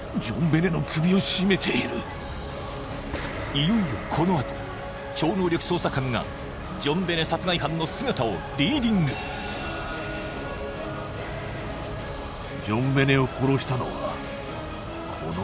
いよいよこのあと超能力捜査官がジョンベネ殺害犯の姿をリーディングええっ言ってるじゃん